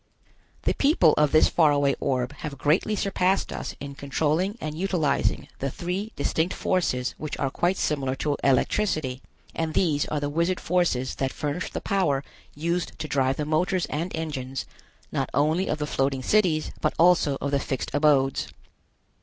The people of this far away orb have greatly surpassed us in controlling and utilizing the three distinct forces which are quite similar to electricity, and these are the wizard forces that furnish the power used to drive the motors and engines, not only of the floating cities, but also of the fixed abodes.